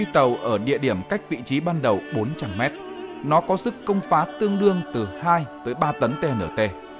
trong cách vị trí ban đầu bốn trăm linh mét nó có sức công phá tương đương từ hai tới ba tấn tnt